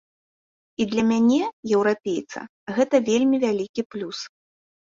І для мяне, еўрапейца, гэта вельмі вялікі плюс.